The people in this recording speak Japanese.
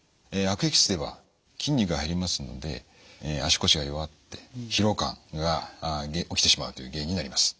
悪液質では筋肉が減りますので足腰が弱って疲労感が起きてしまうという原因になります。